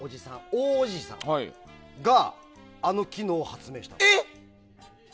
大おじさんがあの機能を発明したの。え！